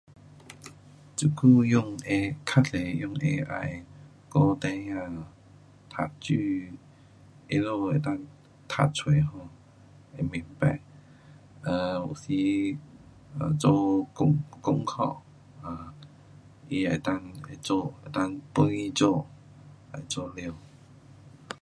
这久用的较多用 AI 学孩儿读书，他们能够读出 um 会明白，um 有时做功，功课，它们能够会做，能够帮他，做完。